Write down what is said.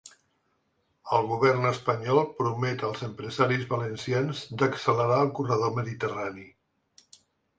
El govern espanyol promet als empresaris valencians d’accelerar el corredor mediterrani.